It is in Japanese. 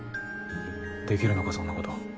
出来るのかそんなこと。